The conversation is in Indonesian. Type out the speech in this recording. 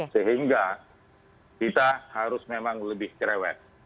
sehingga kita harus memang lebih cerewet